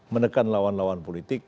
menekan lawan lawan politik